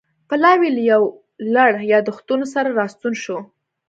پلاوی له یو لړ یادښتونو سره راستون شو